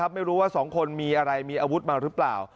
ไม่รู้ว่า๒คนมีอะไรมีอาวุธมาหรือเปล่า